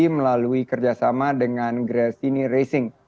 melalui kerjasama dengan gracini racing